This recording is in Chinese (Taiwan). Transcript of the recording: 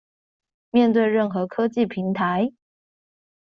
面對任何科技平台